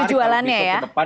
itu jualannya ya